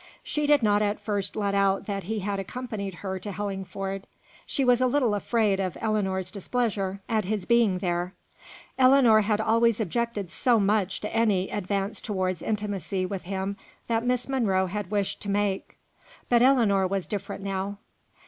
She did not at first let out that he had accompanied her to Hellingford; she was a little afraid of Ellinor's displeasure at his being there; Ellinor had always objected so much to any advance towards intimacy with him that Miss Monro had wished to make. But Ellinor was different now.